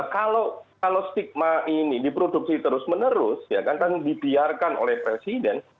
kalau stigma ini diproduksi terus menerus ya kan dibiarkan oleh presiden